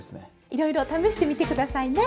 いろいろ試してみて下さいね。